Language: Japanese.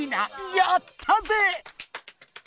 やったぜ！